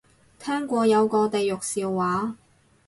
聽過有個地獄笑話